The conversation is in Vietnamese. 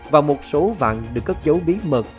và một số vạn được cất dấu bí mật